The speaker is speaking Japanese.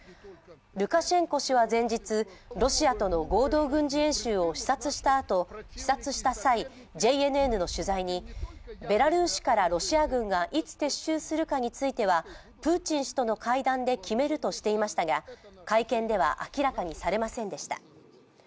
ルカシェンコ氏は前日、ロシアとの合同軍事演習を視察した際、ＪＮＮの取材に、ベラルーシからロシア軍がいつ撤収するかについてはプーチン氏との会談で決めるとしていましたが会見では明らかにされませんでした。